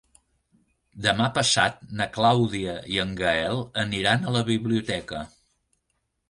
Demà passat na Clàudia i en Gaël aniran a la biblioteca.